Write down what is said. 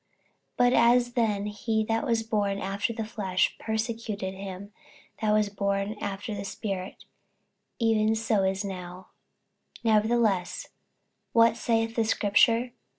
48:004:029 But as then he that was born after the flesh persecuted him that was born after the Spirit, even so it is now. 48:004:030 Nevertheless what saith the scripture?